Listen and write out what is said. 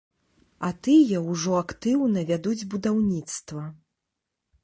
А тыя ўжо актыўна вядуць будаўніцтва.